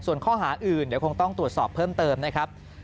ส่วนข้อหาอื่นเดี๋ยวคงต้องตรวจสอบเพิ่มเติมนะครับ